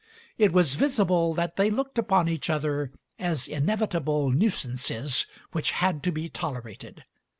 It was visible that they looked upon each other as inevitable nuisances which had to be tolerated.